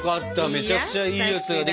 めちゃくちゃいいやつができ。